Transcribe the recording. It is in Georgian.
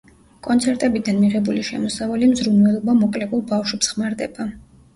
კონცერტებიდან მიღებული შემოსავალი მზრუნველობამოკლებულ ბავშვებს ხმარდება.